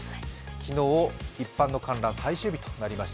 昨日、一般の観覧、最終日となりました。